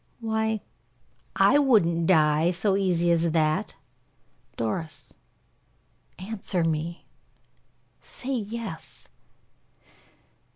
"Why, I wouldn't die so easy as that." "Doris, answer me. Say yes."